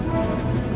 apaan sih ini